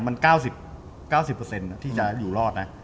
มัน๙๐๙๐ที่จะอยู่รอดนะ